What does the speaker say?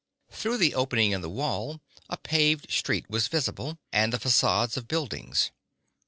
Through the opening in the wall a paved street was visible, and the facades of buildings.